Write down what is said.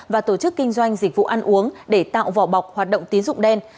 và tổ chức kinh doanh dịch vụ ăn uống để tạo vỏ bọc hoạt động tín dụng đen